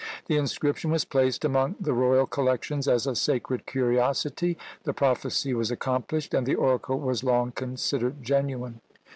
The inscription was placed among the royal collections as a sacred curiosity! The prophecy was accomplished, and the oracle was long considered genuine!